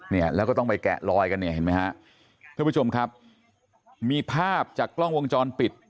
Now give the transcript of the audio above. เนี่ยแล้วก็ต้องไปแกะลอยกันเนี่ยเห็นไหมฮะท่านผู้ชมครับมีภาพจากกล้องวงจรปิด